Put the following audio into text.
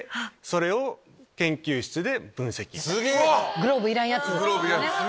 グローブいらんやつ。